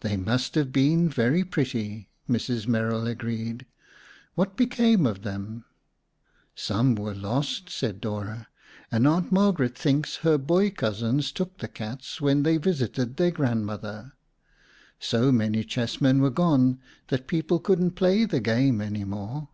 "They must have been very pretty," Mrs. Merrill agreed. "What became of them?' "Some were lost," said Dora, "and Aunt Margaret thinks her boy cousins took the cats when they visited their grandmother. So many chess men were gone that people couldn't play the game any more.